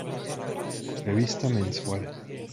Revista Mensual".